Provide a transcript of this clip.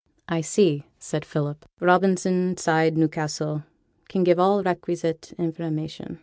'I see,' said Philip: '"Robinson, Side, Newcastle, can give all requisite information."'